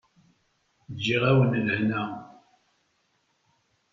Ǧǧiɣ-awen lehna.